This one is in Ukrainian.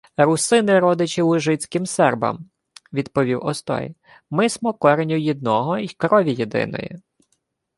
— Русини родичі лужицьким сербам, — відповів Остой. — Ми смо кореню їдного й крові єдиної.